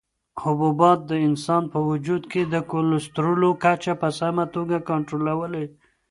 حبوبات د انسان په وجود کې د کلسترولو کچه په سمه توګه کنټرولوي.